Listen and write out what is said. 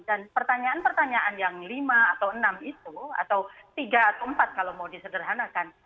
dan pertanyaan pertanyaan yang lima atau enam itu atau tiga atau empat kalau mau disederhanakan